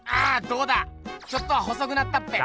どうだちょっとは細くなったっぺ？